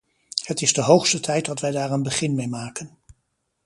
Het is de hoogste tijd dat wij daar een begin mee maken.